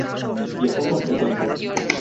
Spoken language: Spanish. Viajó con frecuencia.